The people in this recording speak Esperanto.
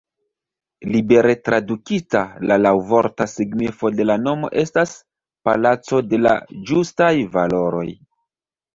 Libere tradukita, la laŭvorta signifo de la nomo estas: "Palaco de la Ĝustaj Valoroj".